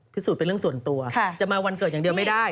สูจนเป็นเรื่องส่วนตัวจะมาวันเกิดอย่างเดียวไม่ได้